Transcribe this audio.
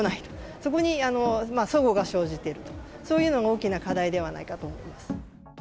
そこにそごが生じていると、そういうのが大きな課題ではないかと思います。